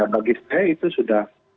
bagi saya itu sudah